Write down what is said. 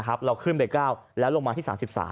เราขึ้นไป๙แล้วลงมาที่๓๓